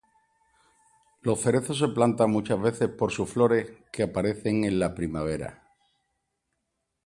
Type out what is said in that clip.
Los cerezos se plantan muchas veces por sus flores que aparecen en la primavera.